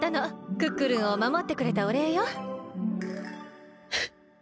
クックルンをまもってくれたおれいよ。うっ。